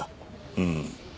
うん。